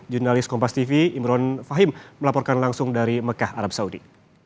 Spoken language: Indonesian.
jurnalis kompas tv imron fahim melaporkan langsung dari mekah arab saudi